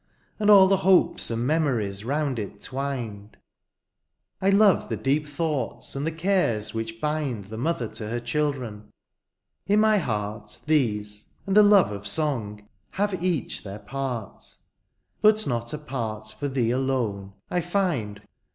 And all the hopes and memories round it twined : I love the deep thoughts and the cares which bind The mother to her children — ^in my heart These, and the love of song have each their part: But not a part for thee alone, I find.